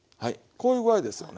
こういう具合ですよね。